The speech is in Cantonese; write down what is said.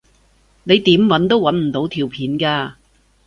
你點搵都搵唔到條片㗎